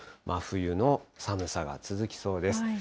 真冬の寒さが続きそうです。